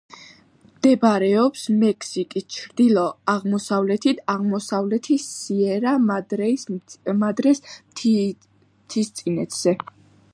მდებარეობს მექსიკის ჩრდილო-აღმოსავლეთით, აღმოსავლეთი სიერა-მადრეს მთისწინეთზე.